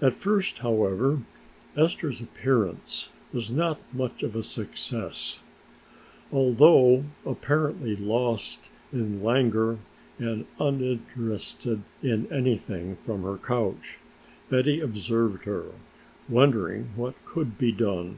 At first, however, Esther's appearance was not much of a success. Although, apparently lost in languor and uninterested in anything, from her couch Betty observed her, wondering what could be done.